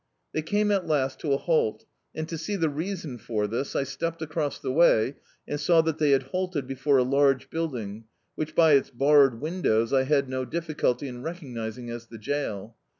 They came at last to a halt, and, to see the reason for this, I stepped across the way, and saw that they had halted before a large building, which, by its barred windows, I had no difficulty in recognising as the jail.